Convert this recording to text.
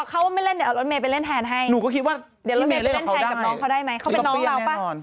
เขาเป็นน้องเราป่ะเขาเป็นน้องเราเดี๋ยวก็เปลี่ยนแน่นอน